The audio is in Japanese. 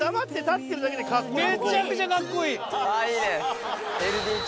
でもほんとめちゃくちゃかっこいい！